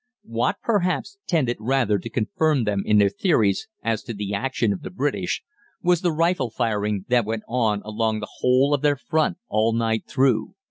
"What, perhaps, tended rather to confirm them in their theories as to the action of the British was the rifle firing that went on along the whole of their front all night through.